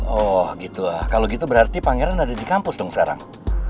oh gitu lah kalau gitu berarti pangeran ada di kampus dong sekarang